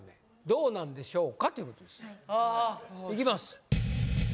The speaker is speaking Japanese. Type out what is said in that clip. どうなんでしょうかっていうことですよいきます